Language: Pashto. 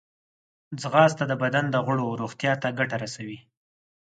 ځغاسته د بدن د غړو روغتیا ته ګټه رسوي